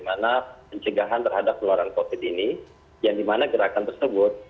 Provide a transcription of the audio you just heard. pemirsa pemirsa yang diperkenalkan terhadap keluaran covid ini yang dimana gerakan tersebut